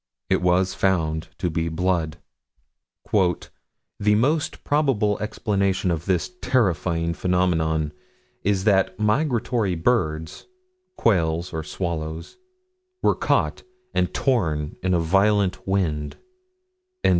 It was found to be blood. "The most probable explanation of this terrifying phenomenon is that migratory birds (quails or swallows) were caught and torn in a violent wind."